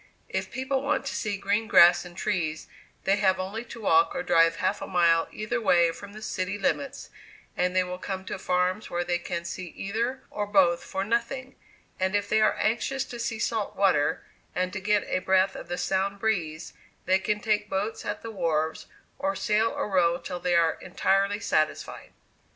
If people want to see green grass and trees, they have only to walk or drive half a mile either way from the city limits, and they will come to farms where they can see either or both for nothing; and, if they are anxious to see salt water, and to get a breath of the Sound breeze, they can take boats at the wharves, and sail or row till they are entirely satisfied."